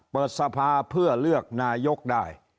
เปิดสภาเพื่อเลือกนายกได้